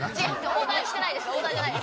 オーダーじゃないです。